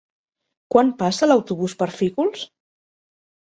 Quan passa l'autobús per Fígols?